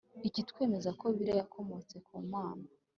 Ikitwemeza ko Bibiliya yakomotse ku Mana